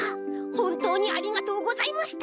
ほんとうにありがとうございました。